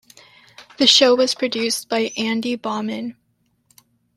The show was produced by Andy Bauman.